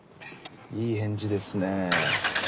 いい返事ですね。